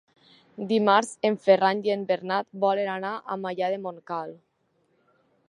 Dimarts en Ferran i en Bernat volen anar a Maià de Montcal.